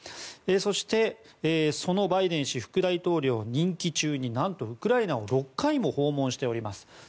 そして、そのバイデン氏副大統領の任期中になんとウクライナを６回も訪問しております。